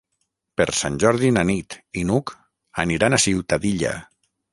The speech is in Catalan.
Per Sant Jordi na Nit i n'Hug aniran a Ciutadilla.